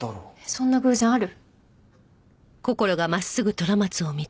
そんな偶然ある？